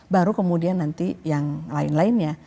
baru kemudian nanti yang lain lainnya